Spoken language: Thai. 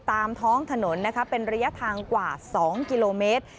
ตามท้องถนนนะคะเป็นระยะทางกว่า๒กิโลเมตร